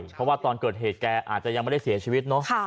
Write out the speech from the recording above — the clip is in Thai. เพราะว่าตอนเกิดเหตุแกอาจจะยังไม่ได้เสียชีวิตเนอะ